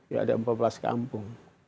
ya ada empat belas kampung